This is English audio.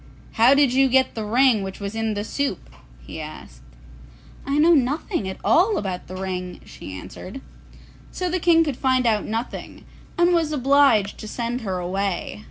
'How did you get the ring which was in the soup?' he asked. 'I know nothing at all about the ring,' she answered. So the King could find out nothing, and was obliged to send her away.